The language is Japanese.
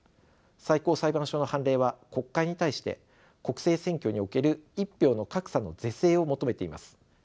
最高裁判所の判例は国会に対して国政選挙における一票の格差の是正を求めています。